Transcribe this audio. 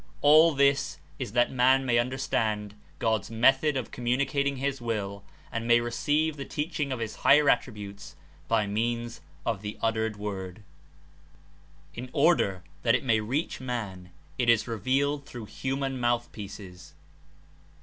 All this Is The Word ^^^^^^^^ understand God's method of communicating his Will and may re ceive the teaching of his higher attributes by means of the uttered Word. In order that It may reach man It Is revealed through human mouth pieces.